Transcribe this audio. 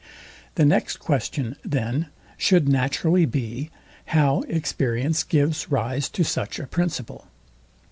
The next question, then, should naturally be, how experience gives rise to such a principle?